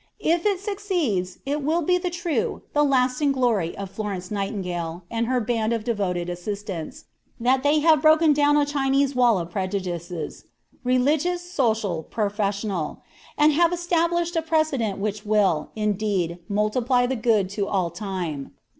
If it succeeds, it will be the true, the lasting glory of Florence Nightingale and her band of devoted assistants, that they have broken down a Chinese wall of prejudices, religious, social, professional, and have established a precedent which will, indeed, multiply the good to all time."